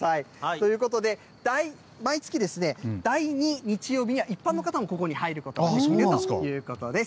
ということで、毎月第２日曜日には、一般の方もここに入ることができるということです。